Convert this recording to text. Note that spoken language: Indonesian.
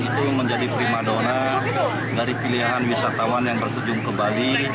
itu menjadi primadona dari pilihan wisatawan yang bertujung ke bali